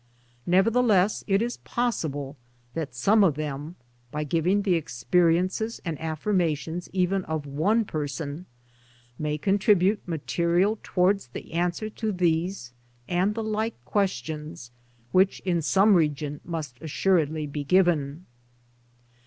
Nevertheless it is possible that some of them — by giving the experiences and affirmations even of one person — may contribute material towards that answer to these and the like questions which in some region must assuredly be given.